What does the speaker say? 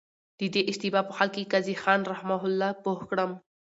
د دې اشتباه په حل کي قاضي خان رحمه الله پوه کړم.